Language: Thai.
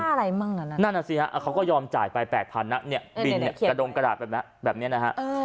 คุณหมอก็ยอมจ่ายไป๘๐๐๐บินกระดงกระดาษแบบนี้นะฮะ